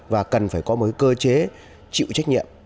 và cần phải có một cơ chế chịu trách nhiệm